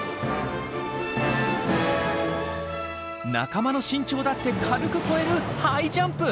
仲間の身長だって軽く超えるハイジャンプ。